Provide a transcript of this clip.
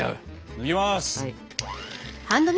いきます！